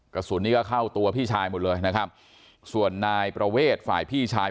กระสุนนี้ก็เข้าตัวพี่ชายหมดเลยนะครับส่วนนายประเวทฝ่ายพี่ชาย